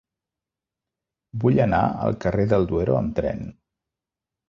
Vull anar al carrer del Duero amb tren.